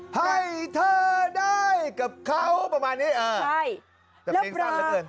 ให้เธอได้กับเขาประมาณนี้ใช่